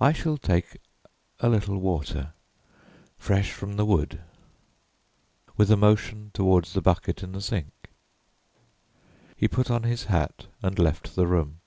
I shall take a little water, fresh from the wood," with a motion toward the bucket in the sink. He put on his hat and left the room.